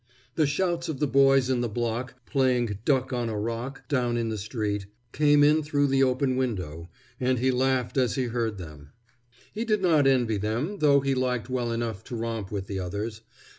The shouts of the boys in the block, playing duck on a rock down in the street, came in through the open window, and he laughed as he heard them. He did not envy them, though he liked well enough to romp with the others.